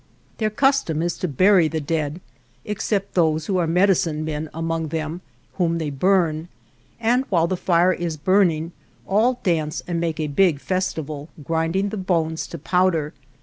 Their custom is to bury the dead, ex cept those who are medicine men among them, whom they burn, and while the fire is burning, all dance and make a big fes tival, grinding the bones to powder.